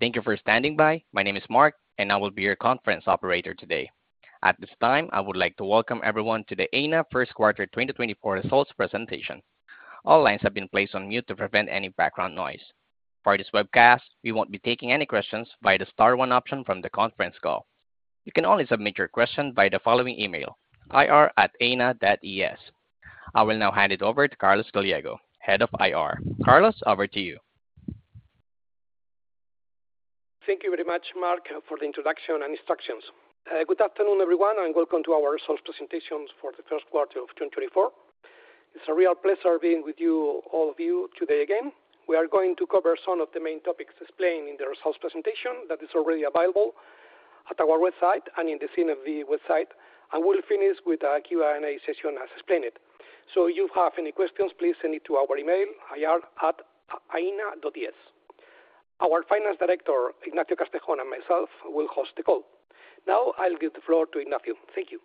Thank you for standing by. My name is Mark, and I will be your conference operator today. At this time, I would like to welcome everyone to the Aena First Quarter 2024 Results Presentation. All lines have been placed on mute to prevent any background noise. For this webcast, we won't be taking any questions via the star one option from the conference call. You can only submit your question by the following email, ir@aena.es. I will now hand it over to Carlos Gallego, Head of IR. Carlos, over to you. Thank you very much, Mark, for the introduction and instructions. Good afternoon, everyone, and welcome to our results presentations for the first quarter of 2024. It's a real pleasure being with you, all of you, today again. We are going to cover some of the main topics explained in the results presentation that is already available at our website and in the CNMV website. I will finish with a Q&A session as explained. If you have any questions, please send it to our email, ir@aena.es. Our Finance Director, Ignacio Castejón, and myself will host the call. Now, I'll give the floor to Ignacio. Thank you.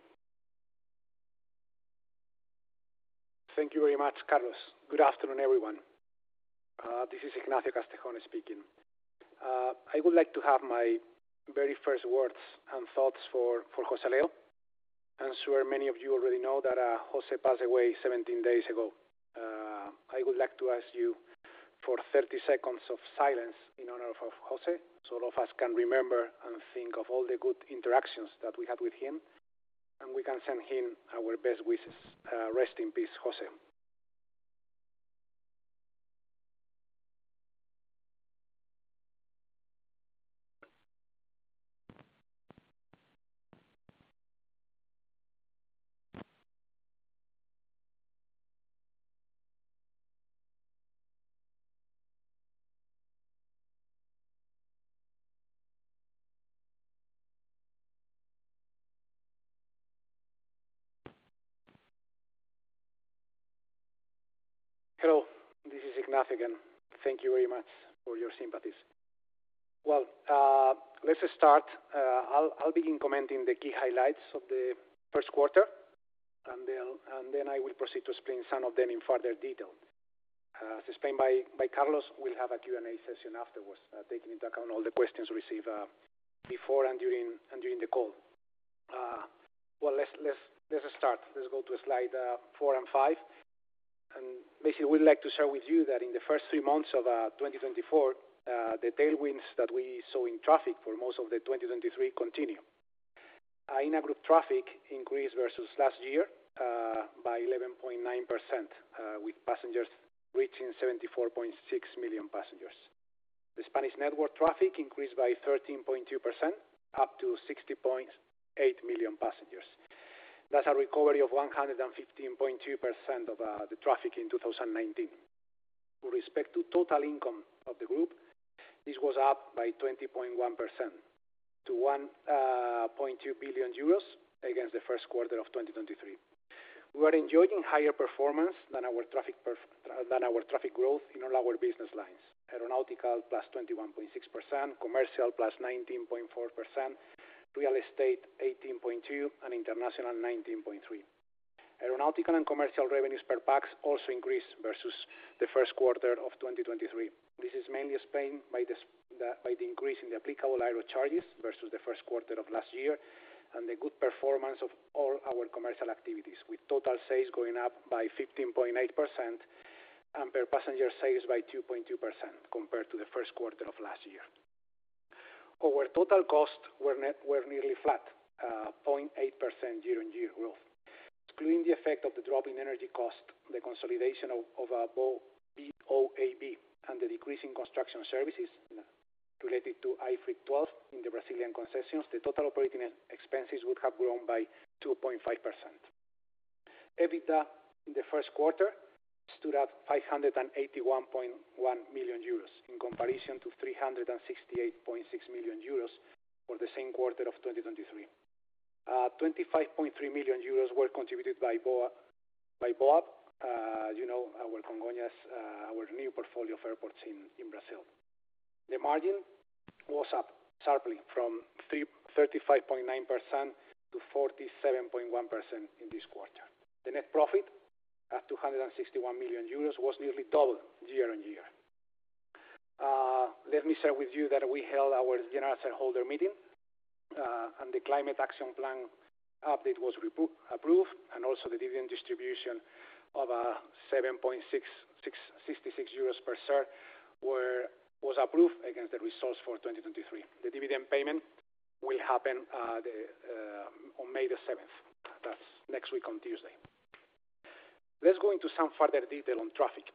Thank you very much, Carlos. Good afternoon, everyone. This is Ignacio Castejón speaking. I would like to have my very first words and thoughts for José Leo. I'm sure many of you already know that José passed away 17 days ago. I would like to ask you for 30 seconds of silence in honor of José, so all of us can remember and think of all the good interactions that we had with him, and we can send him our best wishes. Rest in peace, José. Hello, this is Ignacio again. Thank you very much for your sympathies. Well, let's start. I'll begin commenting the key highlights of the first quarter, and then I will proceed to explain some of them in further detail. As explained by Carlos, we'll have a Q&A session afterwards, taking into account all the questions received before and during the call. Well, let's start. Let's go to slide four and five. And basically, we'd like to share with you that in the first three months of 2024, the tailwinds that we saw in traffic for most of the 2023 continue. Aena group traffic increased versus last year by 11.9%, with passengers reaching 74.6 million passengers. The Spanish network traffic increased by 13.2%, up to 60.8 million passengers. That's a recovery of 115.2% of the traffic in 2019. With respect to total income of the group, this was up by 20.1% to 1.2 billion euros against the first quarter of 2023. We are enjoying higher performance than our traffic growth in all our business lines. Aeronautical, +21.6%; commercial, +19.4%; real estate, 18.2%; and international, 19.3%. Aeronautical and commercial revenues per pax also increased versus the first quarter of 2023. This is mainly explained by the increase in the applicable aero charges versus the first quarter of last year, and the good performance of all our commercial activities, with total sales going up by 15.8% and per passenger sales by 2.2% compared to the first quarter of last year. Our total costs were net nearly flat, 0.8% year-on-year growth. Excluding the effect of the drop in energy cost, the consolidation of BOAB, and the decrease in construction services related to IFRIC 12 in the Brazilian concessions, the total operating expenses would have grown by 2.5%. EBITDA in the first quarter stood at 581.1 million euros, in comparison to 368.6 million euros for the same quarter of 2023. 25.3 million euros were contributed by BOAB, by BOAB, you know, our Congonhas, our new portfolio of airports in Brazil. The margin was up sharply from 35.9% to 47.1% in this quarter. The net profit, at 261 million euros, was nearly double year-on-year. Let me share with you that we held our general shareholder meeting, and the Climate Action Plan update was approved, and also the dividend distribution of 7.66 euros per share was approved against the results for 2023. The dividend payment will happen on May the 7th. That's next week on Tuesday. Let's go into some further detail on traffic.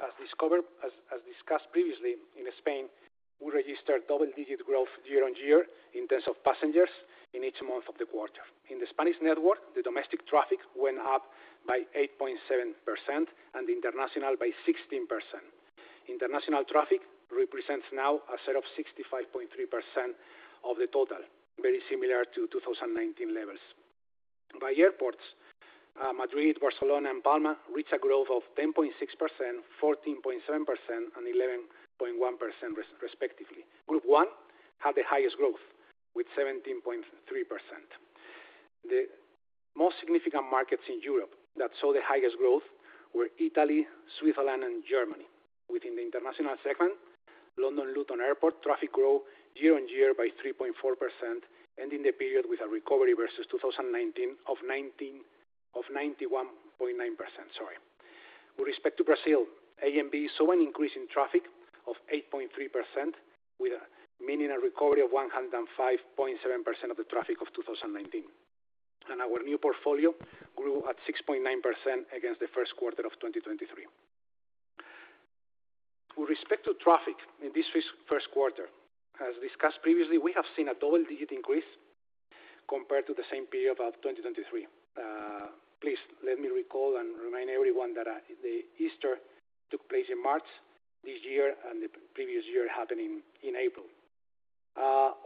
As discussed previously, in Spain, we registered double-digit growth year-over-year in terms of passengers in each month of the quarter. In the Spanish network, the domestic traffic went up by 8.7% and international by 16%. International traffic represents now 65.3% of the total, very similar to 2019 levels. By airports, Madrid, Barcelona, and Palma reached a growth of 10.6%, 14.7%, and 11.1%, respectively. Group I had the highest growth, with 17.3%. The most significant markets in Europe that saw the highest growth were Italy, Switzerland, and Germany. Within the international segment, London Luton Airport traffic grew year-on-year by 3.4%, ending the period with a recovery versus 2019 of 91.9%, sorry. With respect to Brazil, ANB saw an increase in traffic of 8.3%, meaning a recovery of 105.7% of the traffic of 2019. Our new portfolio grew at 6.9% against the first quarter of 2023. With respect to traffic in this first quarter, as discussed previously, we have seen a double-digit increase compared to the same period of 2023. Please let me recall and remind everyone that the Easter took place in March this year, and the previous year happened in April.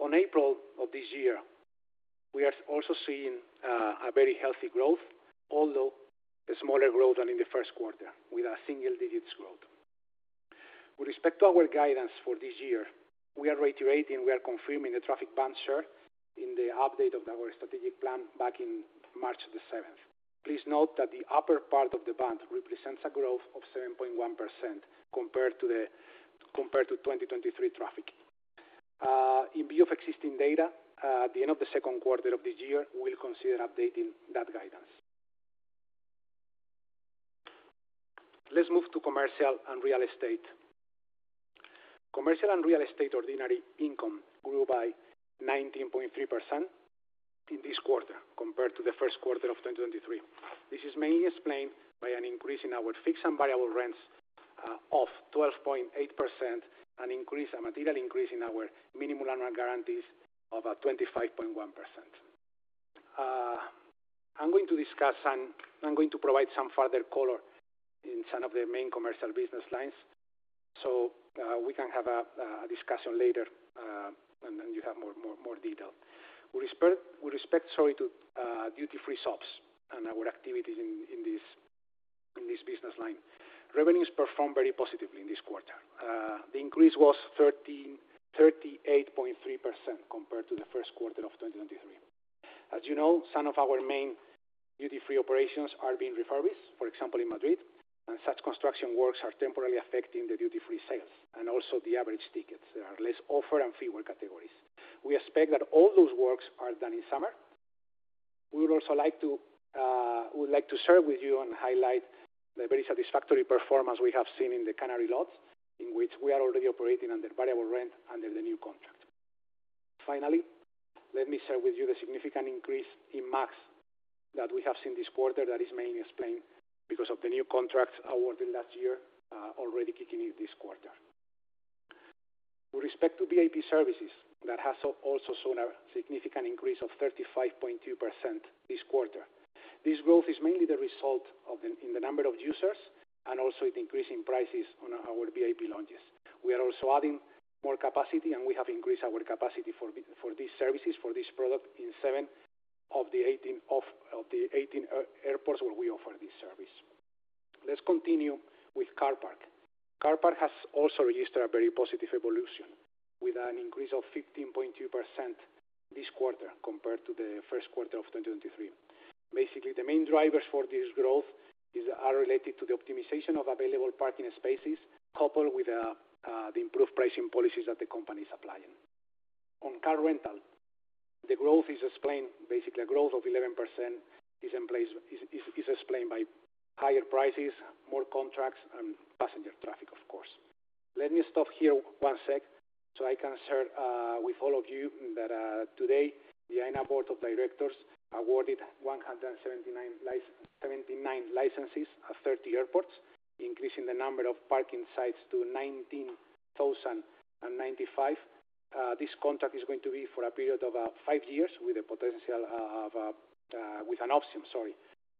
On April of this year, we are also seeing a very healthy growth, although a smaller growth than in the first quarter, with a single-digit growth. With respect to our guidance for this year, we are reiterating, we are confirming the traffic band chart in the update of our strategic plan back in March 7th. Please note that the upper part of the band represents a growth of 7.1% compared to 2023 traffic. In view of existing data, at the end of the second quarter of this year, we'll consider updating that guidance. Let's move to commercial and real estate. Commercial and real estate ordinary income grew by 19.3% in this quarter compared to the first quarter of 2023. This is mainly explained by an increase in our fixed and variable rents of 12.8%, a material increase in our minimum rental guarantees of 25.1%. I'm going to discuss and provide some further color in some of the main commercial business lines, so we can have a discussion later, and then you have more detail. With respect, sorry, to duty-free shops and our activities in this business line. Revenues performed very positively in this quarter. The increase was 13.38% compared to the first quarter of 2023. As you know, some of our main duty-free operations are being refurbished, for example, in Madrid, and such construction works are temporarily affecting the duty-free sales and also the average tickets. There are less offer and fewer categories. We expect that all those works are done in summer. We would also like to, we would like to share with you and highlight the very satisfactory performance we have seen in the Canary Islands, in which we are already operating under variable rent under the new contract. Finally, let me share with you the significant increase in MAC that we have seen this quarter. That is mainly explained because of the new contracts awarded last year, already kicking in this quarter. With respect to VIP services, that has also shown a significant increase of 35.2% this quarter. This growth is mainly the result of the increase in the number of users and also the increase in prices on our VIP lounges. We are also adding more capacity, and we have increased our capacity for these services, for this product in seventh of the 18 airports where we offer this service. Let's continue with car park. Car park has also registered a very positive evolution, with an increase of 15.2% this quarter compared to the first quarter of 2023. Basically, the main drivers for this growth are related to the optimization of available parking spaces, coupled with the improved pricing policies that the company is applying. On car rental, the growth is explained... Basically, a growth of 11% is in place, is explained by higher prices, more contracts, and passenger traffic, of course. Let me stop here one sec, so I can share with all of you that today, the Aena board of directors awarded 79 licenses of 30 airports, increasing the number of parking sites to 19,095. This contract is going to be for a period of five years with a potential, with an option, sorry,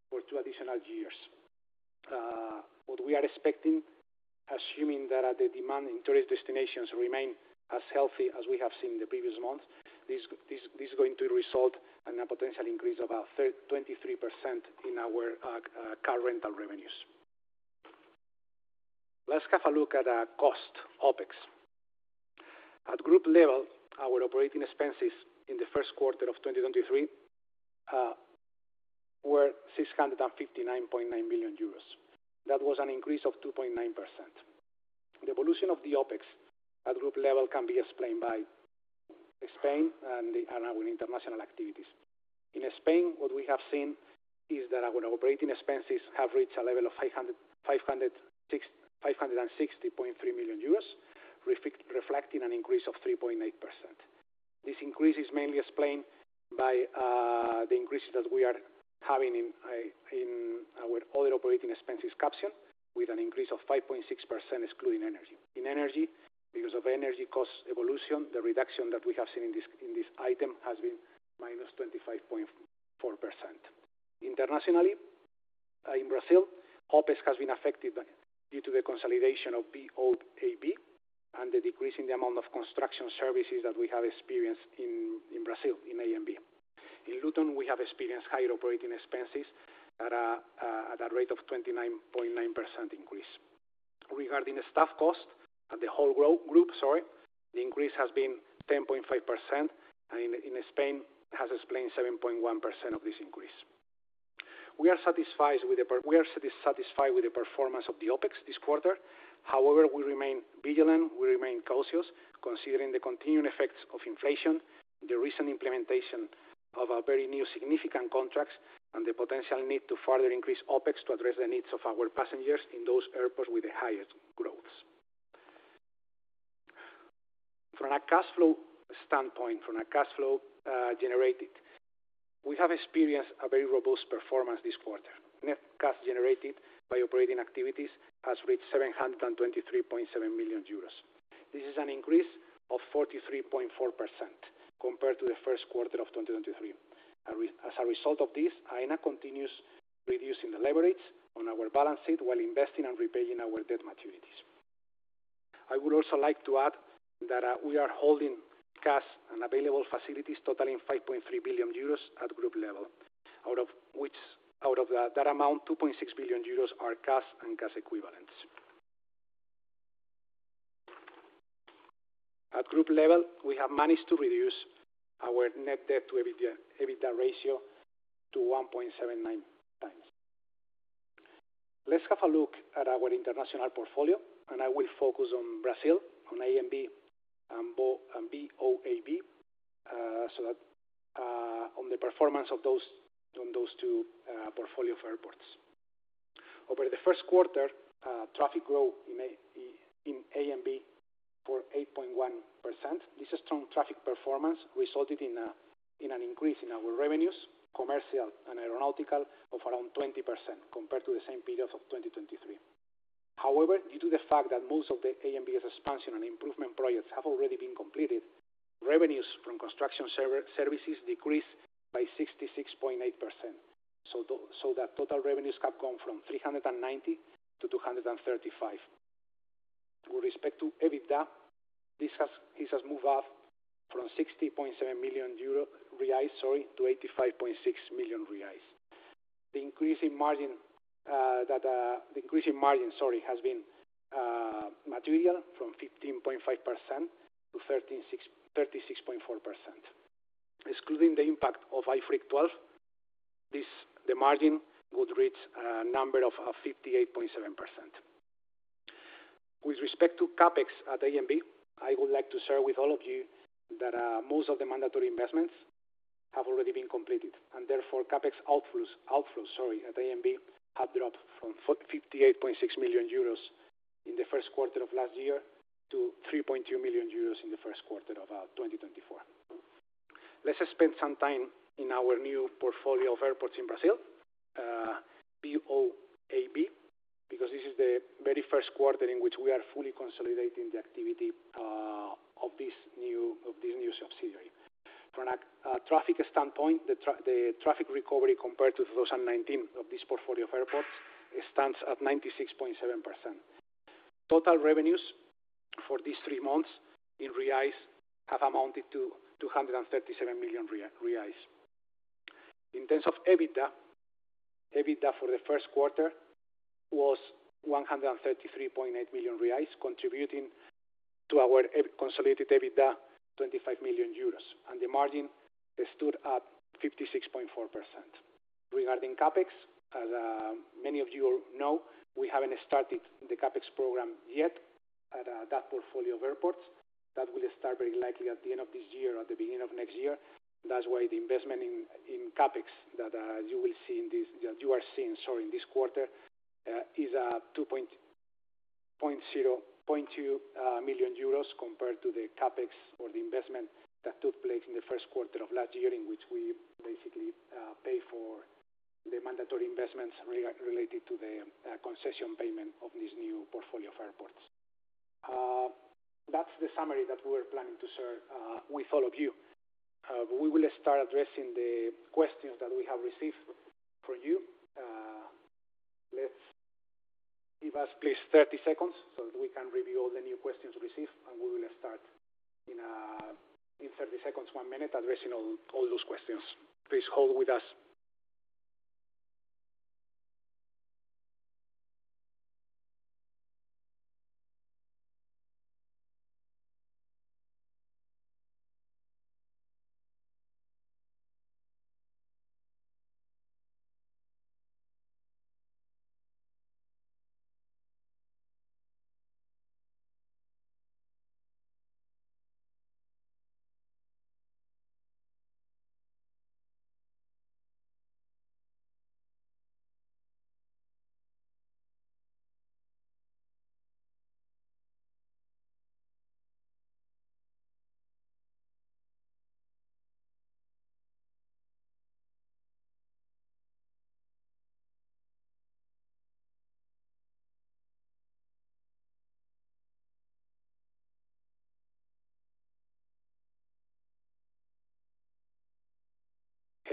for two additional years. What we are expecting, assuming that the demand in tourist destinations remain as healthy as we have seen in the previous months, this is going to result in a potential increase of about 23% in our car rental revenues. Let's have a look at our cost, OpEx. At group level, our operating expenses in the first quarter of 2023 were 659.9 million euros. That was an increase of 2.9%. The evolution of the OpEx at group level can be explained by Spain and our international activities. In Spain, what we have seen is that our operating expenses have reached a level of 560.3 million euros, reflecting an increase of 3.8%. This increase is mainly explained by the increases that we are having in our other operating expenses caption, with an increase of 5.6%, excluding energy. In energy, because of energy costs evolution, the reduction that we have seen in this item has been -25.4%. Internationally, in Brazil, OpEx has been affected due to the consolidation of BOAB and the decrease in the amount of construction services that we have experienced in, in Brazil, in ANB. In Luton, we have experienced higher operating expenses at a rate of 29.9% increase. Regarding the staff cost at the whole group, sorry, the increase has been 10.5%, and in, in Spain, has explained 7.1% of this increase. We are satisfied with the performance of the OpEx this quarter. However, we remain vigilant, we remain cautious, considering the continuing effects of inflation, the recent implementation of our very new significant contracts, and the potential need to further increase OpEx to address the needs of our passengers in those airports with the highest growth. From a cash flow standpoint, from a cash flow generated, we have experienced a very robust performance this quarter. Net cash generated by operating activities has reached 723.7 million euros. This is an increase of 43.4% compared to the first quarter of 2023. As a result of this, Aena continues reducing the leverage on our balance sheet while investing and repaying our debt maturities. I would also like to add that we are holding cash and available facilities totaling 5.3 billion euros at group level, out of that amount, 2.6 billion euros are cash and cash equivalents. At group level, we have managed to reduce our net debt to EBITDA, EBITDA ratio to 1.79 times. Let's have a look at our international portfolio, and I will focus on Brazil, on ANB and BOAB, so that, on the performance of those, on those two, portfolio for airports. Over the first quarter, traffic growth in ANB for 8.1%. This is strong traffic performance resulted in an increase in our revenues, commercial and aeronautical, of around 20% compared to the same period of 2023. However, due to the fact that most of the ANB's expansion and improvement projects have already been completed, revenues from construction services decreased by 66.8%. So that total revenues have gone from 390 to 235. With respect to EBITDA, this has moved up from BRL 60.7 million euros, sorry, to 85.6 million reais. The increase in margin, sorry, has been material from 15.5% to 36.4%. Excluding the impact of IFRIC 12, the margin would reach 58.7%. With respect to CapEx at ANB, I would like to share with all of you that most of the mandatory investments have already been completed, and therefore, CapEx outflows, sorry, at ANB have dropped from 58.6 million euros in the first quarter of last year to 3.2 million euros in the first quarter of 2024. Let's just spend some time in our new portfolio of airports in Brazil, BOAB, because this is the very first quarter in which we are fully consolidating the activity of this new, of this new subsidiary. From a traffic standpoint, the traffic recovery compared to 2019 of this portfolio of airports, it stands at 96.7%. Total revenues for these three months in R$ have amounted to 237 million reais. In terms of EBITDA, EBITDA for the first quarter was 133.8 million reais, contributing to our consolidated EBITDA, 25 million euros, and the margin stood at 56.4%. Regarding CapEx, as many of you know, we haven't started the CapEx program yet at that portfolio of airports. That will start very likely at the end of this year or the beginning of next year. That's why the investment in CapEx that you will see in this, that you are seeing, sorry, in this quarter is 2.02 million euros compared to the CapEx or the investment that took place in the first quarter of last year, in which we basically paid for the mandatory investments related to the concession payment of this new portfolio of airports. That's the summary that we were planning to share with all of you. We will start addressing the questions that we have received for you. Let's give us please 30 seconds, so we can review all the new questions received, and we will start in 30 seconds, 1 minute, addressing all those questions. Please hold with us.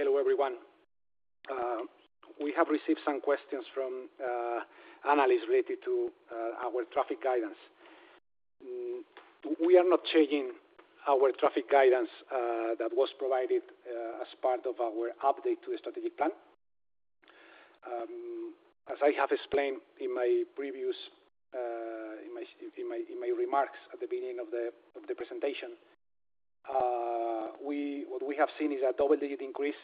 Hello, everyone. We have received some questions from analysts related to our traffic guidance. We are not changing our traffic guidance that was provided as part of our update to the Strategic Plan. As I have explained in my previous remarks at the beginning of the presentation, what we have seen is a double-digit increase,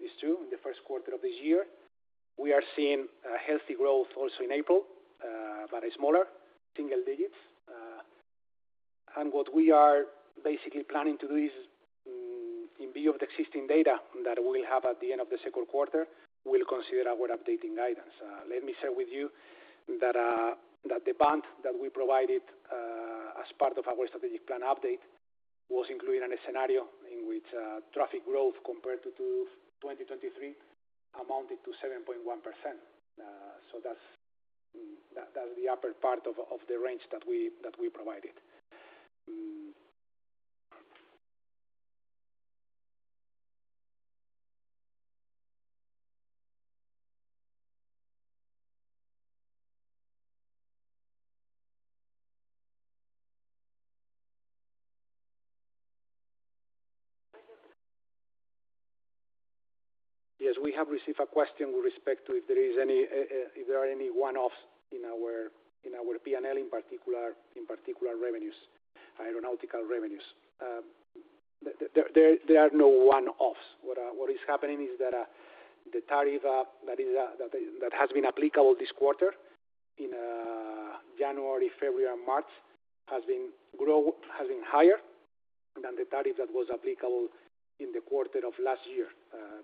this, too, in the first quarter of this year. We are seeing a healthy growth also in April, but a smaller single digits. And what we are basically planning to do is, in view of the existing data that we have at the end of the second quarter, we'll consider our updating guidance. Let me share with you that the band that we provided, as part of our strategic plan update was including a scenario in which traffic growth compared to 2023 amounted to 7.1%. So that's the upper part of the range that we provided. Yes, we have received a question with respect to if there is any, if there are any one-offs in our P&L, in particular, revenues, aeronautical revenues. There are no one-offs. What is happening is that the tariff that has been applicable this quarter in January, February, and March has been higher than the tariff that was applicable in the quarter of last year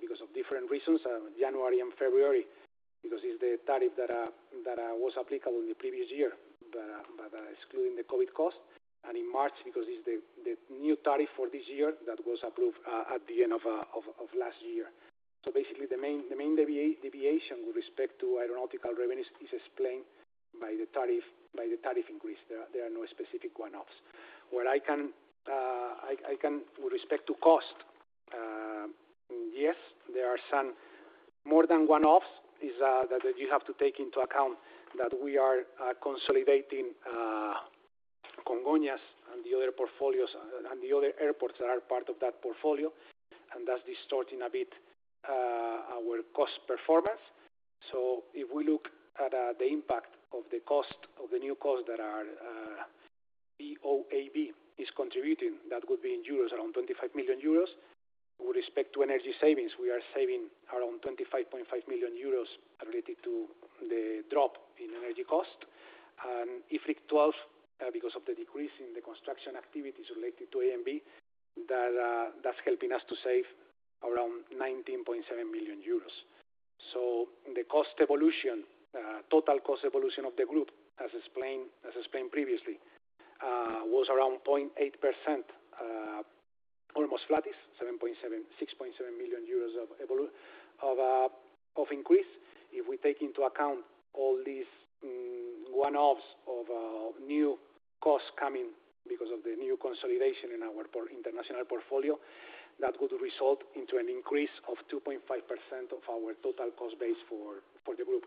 because of different reasons. January and February, because it's the tariff that was applicable in the previous year, but excluding the COVID cost, and in March, because it's the new tariff for this year that was approved at the end of last year. So basically, the main deviation with respect to aeronautical revenues is explained by the tariff, by the tariff increase. There are no specific one-offs. What I can with respect to cost, yes, there are some more than one-offs, is that you have to take into account that we are consolidating Congonhas and the other portfolios, and the other airports that are part of that portfolio, and that's distorting a bit our cost performance. So if we look at the impact of the cost of the new costs that BOAB is contributing, that would be in euros, around 25 million euros. With respect to energy savings, we are saving around 25.5 million euros related to the drop in energy costs. And IFRIC 12, because of the decrease in the construction activities related to ANB, that's helping us to save around 19.7 million euros. So the cost evolution, total cost evolution of the group, as explained previously, was around 0.8%, almost flat, 6.7 million euros of increase. If we take into account all these one-offs of new costs coming because of the new consolidation in our international portfolio, that would result into an increase of 2.5% of our total cost base for the group.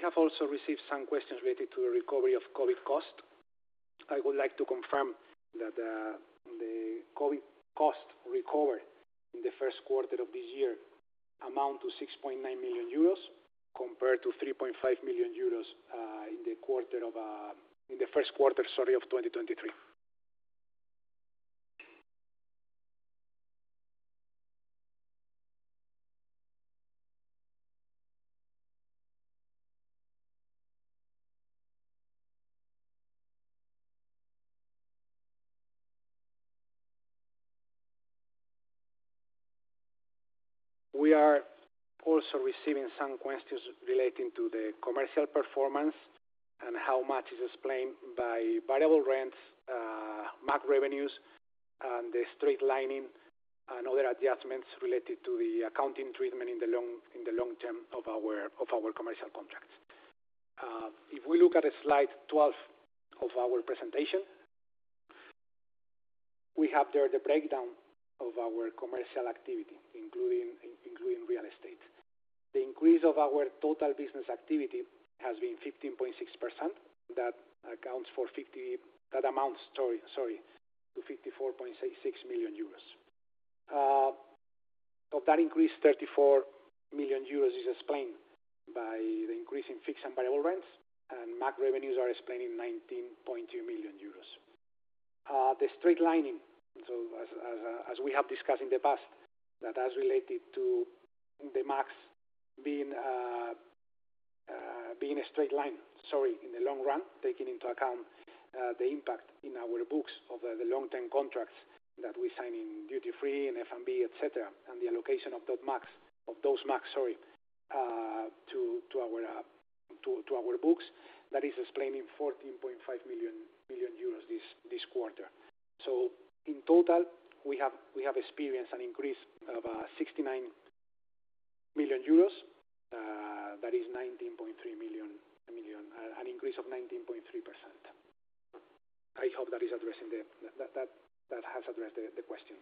We have also received some questions related to the recovery of COVID costs. I would like to confirm that the COVID cost recovered in the first quarter of this year amount to 6.9 million euros, compared to 3.5 million euros in the quarter of, in the first quarter, sorry, of 2023. We are also receiving some questions relating to the commercial performance and how much is explained by variable rents, MAC revenues, and the straight lining and other adjustments related to the accounting treatment in the long, in the long term of our, of our commercial contracts. If we look at the slide 12 of our presentation, we have there the breakdown of our commercial activity, including, including real estate. The increase of our total business activity has been 15.6%. That amounts to 54.66 million euros. So that increase, 34 million euros, is explained by the increase in fixed and variable rents, and MAC revenues are explaining 19.2 million euros. The straight lining, so as we have discussed in the past, that as related to the MACs being a straight line, sorry, in the long run, taking into account the impact in our books of the long-term contracts that we sign in duty-free and F&B, et cetera, and the allocation of those MACs, of those MAC, sorry, to our books. That is explaining 14.5 million euros this quarter. So in total, we have experienced an increase of 69 million euros, that is 19.3%. I hope that that has addressed the question.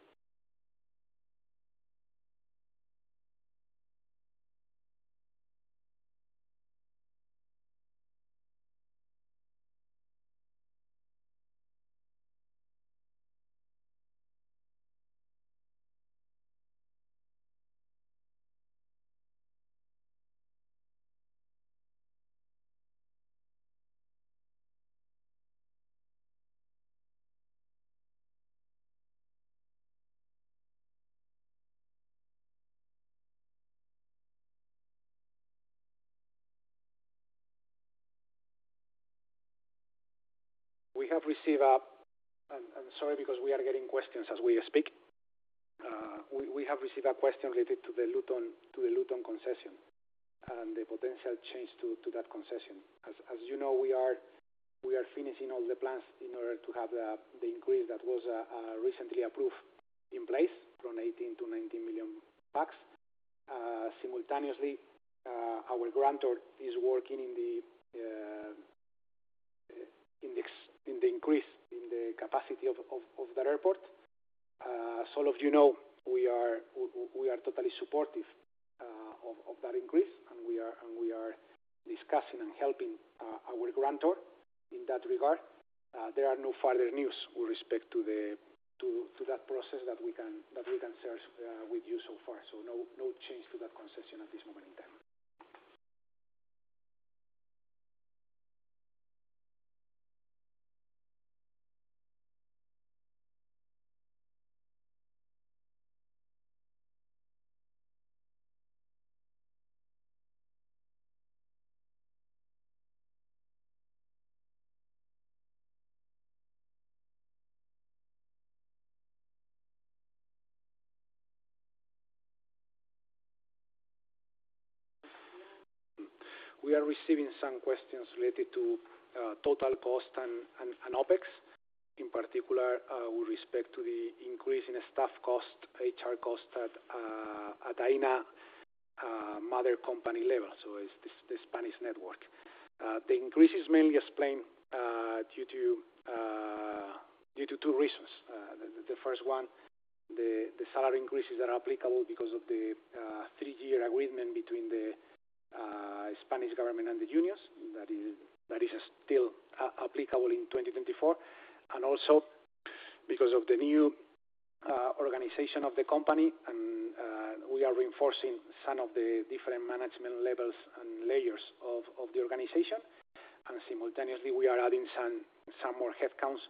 I'm sorry, because we are getting questions as we speak. We have received a question related to the Luton concession and the potential change to that concession. As you know, we are finishing all the plans in order to have the increase that was recently approved in place from 18 to 19 million pax. Simultaneously, our grantor is working on the increase in the capacity of that airport. As all of you know, we are totally supportive of that increase, and we are discussing and helping our grantor in that regard. There are no further news with respect to that process that we can share with you so far. So no, no change to that concession at this moment in time. We are receiving some questions related to total cost and OpEx, in particular, with respect to the increase in staff cost, HR cost at Aena mother company level, so it's the Spanish network. The increase is mainly explained due to two reasons. The first one, the salary increases are applicable because of the three-year agreement between the Spanish government and the unions, that is still applicable in 2024, and also because of the new organization of the company, and we are reinforcing some of the different management levels and layers of the organization. Simultaneously, we are adding some more headcounts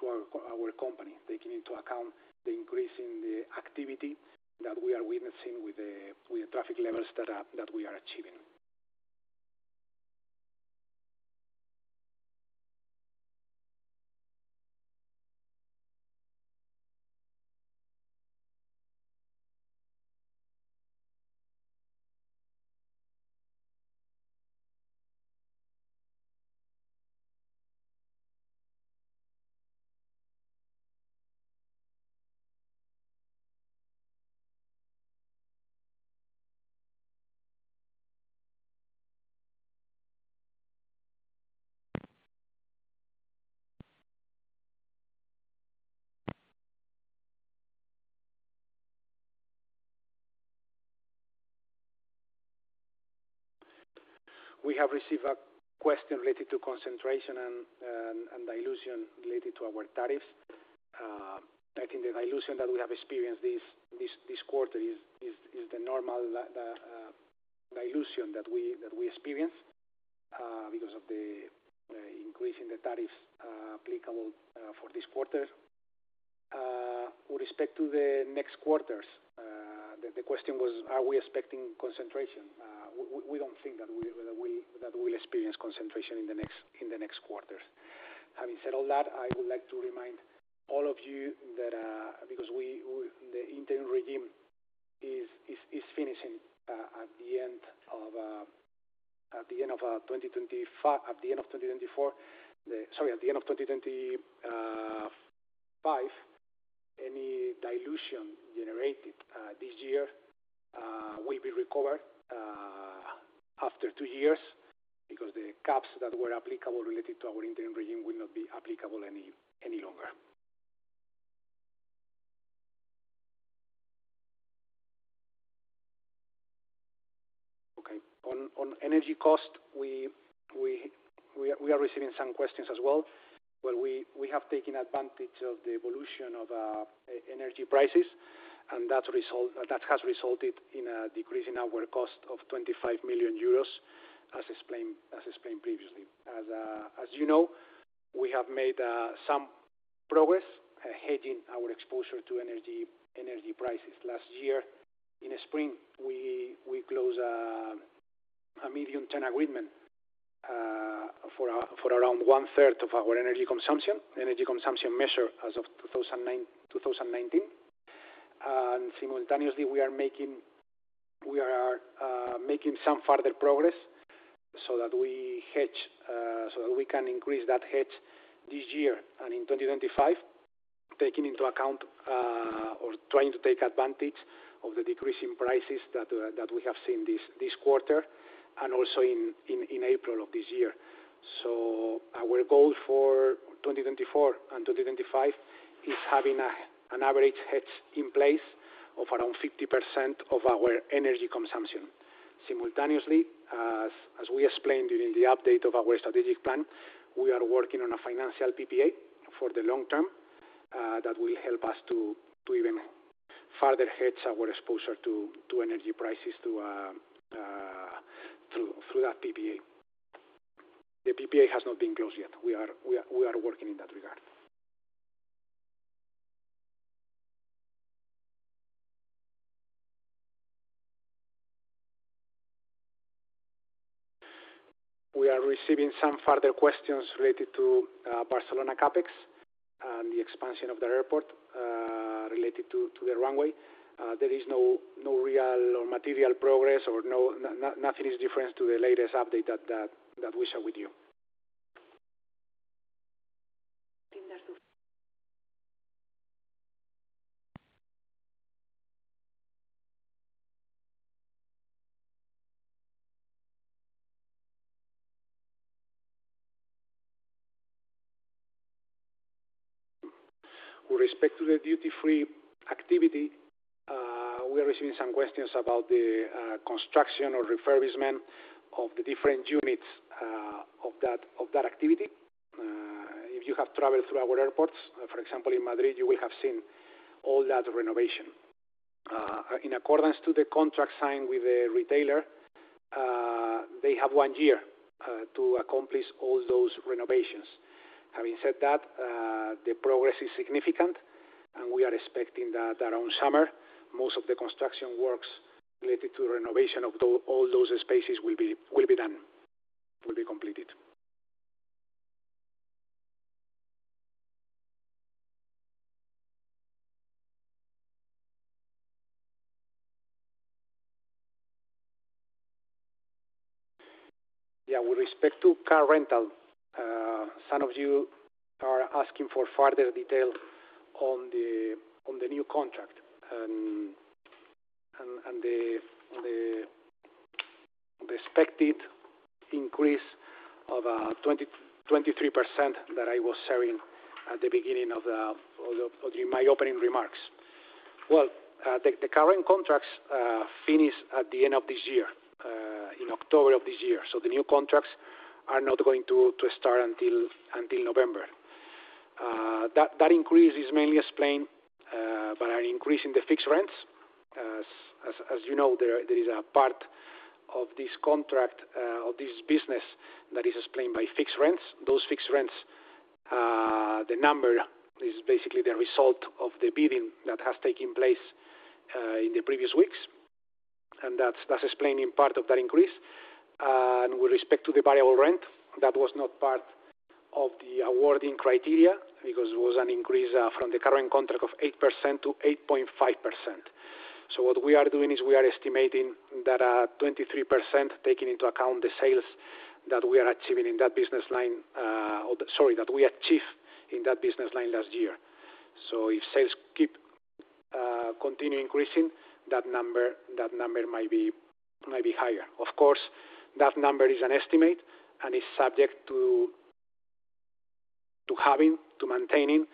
to our company, taking into account the increase in the activity that we are witnessing with the traffic levels that we are achieving. We have received a question related to concentration and dilution related to our tariffs. I think the dilution that we have experienced this quarter is the normal dilution that we experience because of the increase in the tariffs applicable for this quarter. With respect to the next quarters, the question was, are we expecting concentration? We don't think that we'll experience concentration in the next quarters. Having said all that, I would like to remind all of you that, because the interim regime is finishing at the end of 2025, any dilution generated this year will be recovered after two years because the caps that were applicable related to our interim regime will not be applicable any longer. Okay. On energy cost, we are receiving some questions as well. Well, we have taken advantage of the evolution of energy prices, and that has resulted in a decrease in our cost of 25 million euros, as explained previously. As you know, we have made some progress hedging our exposure to energy prices. Last year, in the spring, we closed a medium-term agreement for around one-third of our energy consumption measured as of 2019. And simultaneously, we are making some further progress so that we can increase that hedge this year and in 2025, taking into account or trying to take advantage of the decrease in prices that we have seen this quarter, and also in April of this year. So our goal for 2024 and 2025 is having an average hedge in place of around 50% of our energy consumption. Simultaneously, as we explained during the update of our strategic plan, we are working on a financial PPA for the long term, that will help us to even further hedge our exposure to energy prices through that PPA. The PPA has not been closed yet. We are working in that regard. We are receiving some further questions related to Barcelona CapEx and the expansion of the airport, related to the runway. There is no real or material progress or nothing is different to the latest update that we share with you. With respect to the duty-free activity, we are receiving some questions about the construction or refurbishment of the different units of that activity. If you have traveled through our airports, for example, in Madrid, you will have seen all that renovation. In accordance to the contract signed with the retailer, they have one year to accomplish all those renovations. Having said that, the progress is significant, and we are expecting that around summer, most of the construction works related to the renovation of those all those spaces will be done, will be completed. Yeah, with respect to car rental, some of you are asking for further detail on the new contract and the expected increase of 23% that I was sharing at the beginning of the in my opening remarks. Well, the current contracts finish at the end of this year, in October of this year, so the new contracts are not going to start until November. That increase is mainly explained by an increase in the fixed rents. As you know, there is a part of this contract of this business that is explained by fixed rents. Those fixed rents, the number is basically the result of the bidding that has taken place in the previous weeks, and that's explaining part of that increase. And with respect to the variable rent, that was not part of the awarding criteria because it was an increase from the current contract of 8% to 8.5%. So what we are doing is we are estimating that 23%, taking into account the sales that we are achieving in that business line, or sorry, that we achieved in that business line last year. So if sales continue increasing, that number might be higher. Of course, that number is an estimate and is subject to maintaining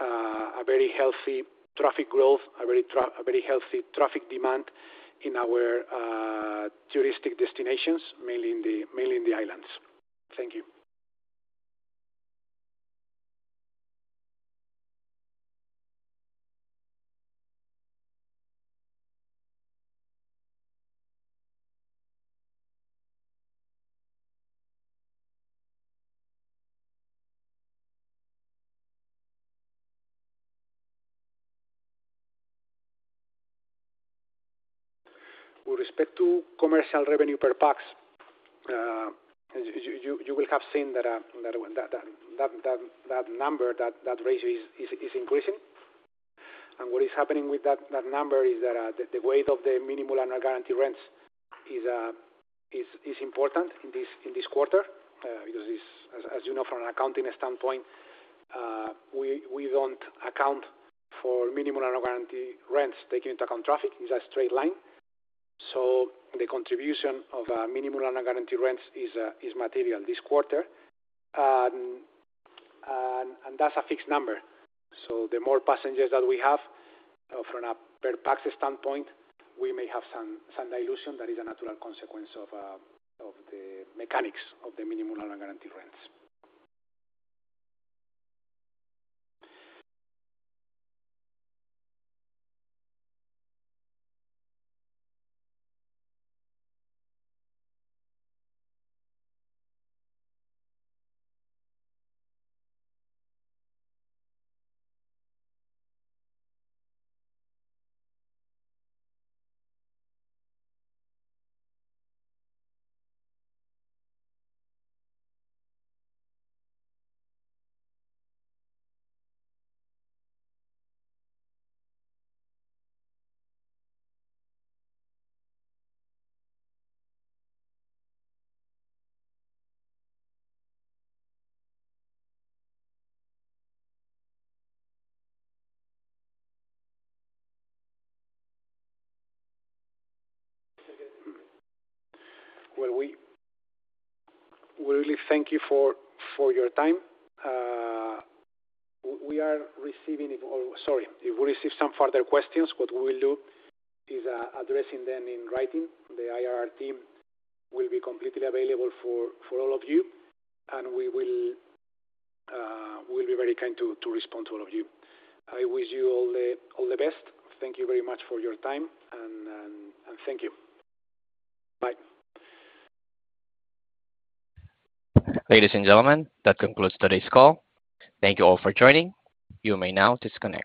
a very healthy traffic growth, a very healthy traffic demand in our touristic destinations, mainly in the islands. Thank you. With respect to commercial revenue per pax, you will have seen that that number, that ratio is increasing. And what is happening with that number is that the weight of the minimum and guaranteed rents is important in this quarter because this, as you know, from an accounting standpoint, we don't account for minimum and guaranteed rents, taking into account traffic. It's a straight line. So the contribution of minimum and guaranteed rents is material this quarter. And that's a fixed number, so the more passengers that we have, from a per pax standpoint, we may have some dilution. That is a natural consequence of the mechanics of the minimum and guaranteed rents. Well, we really thank you for your time. We are receiving it. Oh, sorry. If we receive some further questions, what we will do is addressing them in writing. The IRR team will be completely available for all of you, and we'll be very kind to respond to all of you. I wish you all the best. Thank you very much for your time, and thank you. Bye. Ladies and gentlemen, that concludes today's call. Thank you all for joining. You may now disconnect.